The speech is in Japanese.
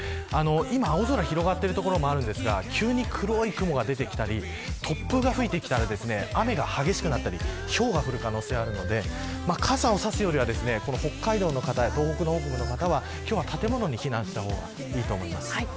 今、青空が広がっている所もあるんですが急に黒い雲が出てきたり突風が吹いてきたら雨が激しくなったりひょうが降る可能性があるので傘を差すよりは北海道の方、東北方面の方は建物に避難した方がいいと思います。